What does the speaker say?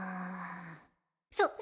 そっ